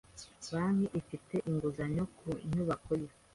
Banki ifite inguzanyo ku nyubako ye.